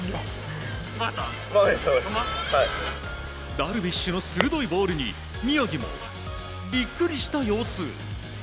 ダルビッシュの鋭いボールに宮城もビックリした様子。